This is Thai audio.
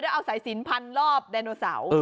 แล้วก็เอาสายสีนพันธุ์ลอบดานโนเสา